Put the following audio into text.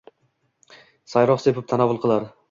sayroq sepib tanovul qilar